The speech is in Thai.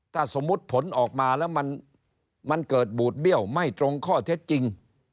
ถ้าสมมุติผลออกมาแล้วมันเกิดบูดเบี้ยวไม่ตรงข้อเท็จจริง